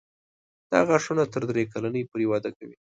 دا غاښونه تر درې کلنۍ پورې وده کوي.